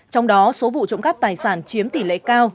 trong đó số vụ trộm cắp tài sản chiếm tỷ lệ cao